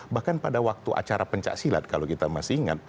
bahkan pada waktu acara pencaksilat kalau kita masih ingat